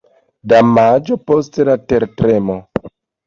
Damaĝo post la tertremo.